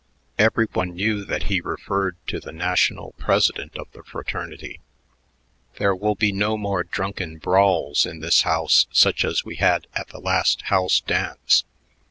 Every one knew that he referred to the national president of the fraternity. "There will be no more drunken brawls in this house such as we had at the last house dance.